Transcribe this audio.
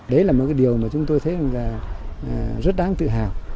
đấy là một điều mà chúng tôi thấy rất đáng tự hào